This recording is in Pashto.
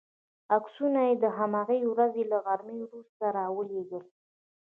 عکسونه یې د هماغې ورځې له غرمې وروسته را ولېږل.